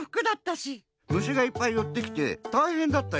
むしがいっぱいよってきてたいへんだったよ。